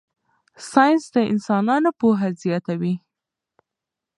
ساینس د انسانانو پوهه زیاتوي.